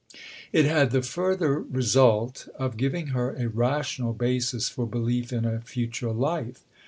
It had the further result of giving her a rational basis for belief in a Future Life.